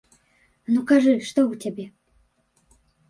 Ну, кажы, што ў цябе?